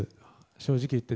正直言って。